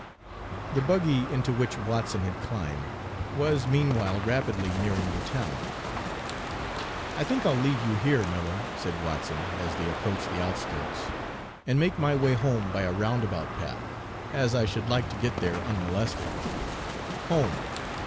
The buggy, into which Watson had climbed, was meanwhile rapidly nearing the town. "I think I'll leave you here, Miller," said Watson, as they approached the outskirts, "and make my way home by a roundabout path, as I should like to get there unmolested. Home!